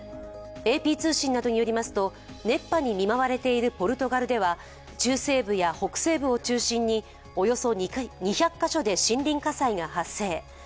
ＡＰ通信などによりますと熱波に見舞われているポルトガルでは中西部や北西部を中心におよそ２００カ所で森林火災が発生。